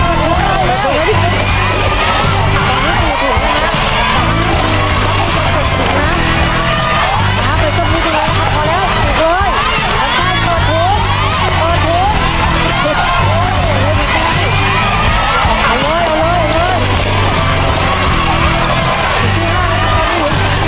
ตัวคุณก็ขอให้ไปดีแล้ว